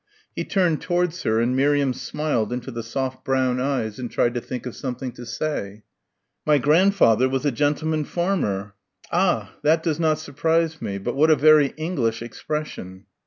He turned towards her and Miriam smiled into the soft brown eyes and tried to think of something to say. "My grandfather was a gentleman farmer." "Ah that does not surprise me but what a very English expression!"